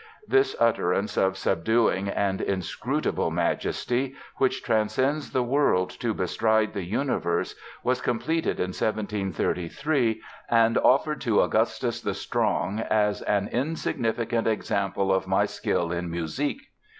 This utterance of subduing and inscrutable majesty, which transcends the world to bestride the universe, was completed in 1733 and offered to Augustus the Strong as "an insignificant example of my skill in Musique"!